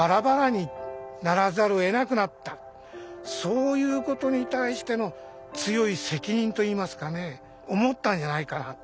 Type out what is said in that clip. そういうことに対しての強い責任といいますかね思ったんじゃないかな。